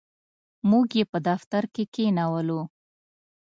موږ یې په دفتر کې کښېنولو.